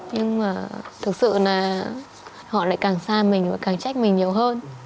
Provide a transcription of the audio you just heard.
nhưng mà thực sự là họ lại càng xa mình và càng trách mình nhiều hơn